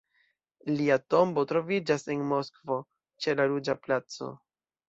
Lia tombo troviĝas en Moskvo, ĉe la Ruĝa Placo.